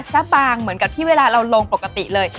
ซะบางเหมือนกับที่เวลาเราลงปกติเลย